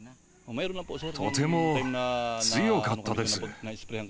とても強かったです。